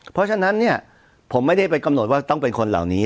เพราะฉะนั้นเนี่ยผมไม่ได้ไปกำหนดว่าต้องเป็นคนเหล่านี้